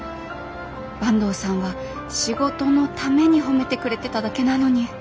坂東さんは仕事のために褒めてくれてただけなのに。